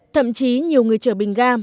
thậm chí nhiều người chở bình ga chở ga